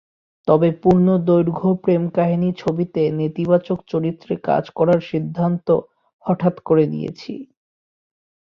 তবে পূর্ণদৈর্ঘ্য প্রেমকাহিনি ছবিতে নেতিবাচক চরিত্রে কাজ করার সিদ্ধান্ত হঠাৎ করে নিয়েছি।